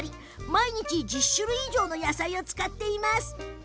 毎日１０種類以上の野菜を使っているそうです。